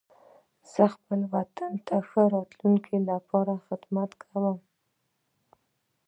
زه خپل وطن د ښه راتلونکي لپاره خدمت کوم.